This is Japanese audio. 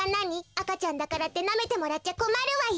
あかちゃんだからってなめてもらっちゃこまるわよ。